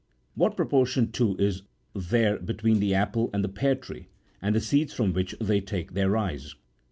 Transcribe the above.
What proportion, too, is there between the apple and the pear tree, and the seeds from which they take their rise